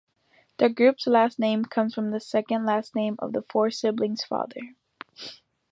The group’s name comes from the second last name of the four siblings’ father.